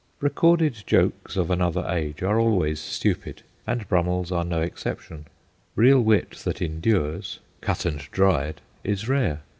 Recorded jokes of another age are always stupid, and Brum mell's are no exception. Real wit that endures, cut and dried, is rare.